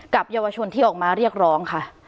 เยาวชนที่ออกมาเรียกร้องค่ะ